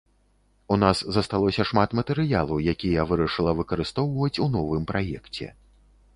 У нас засталося шмат матэрыялу, які я вырашыла выкарыстоўваць у новым праекце.